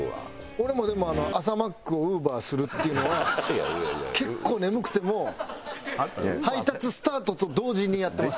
俺もでも朝マックをＵｂｅｒするっていうのは結構眠くても配達スタートと同時にやってます。